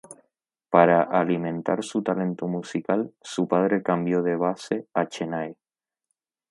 Para alimentar su talento musical, su padre cambió de base a Chennai.